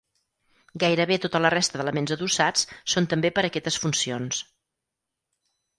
Gairebé tota la resta d'elements adossats són també per a aquestes funcions.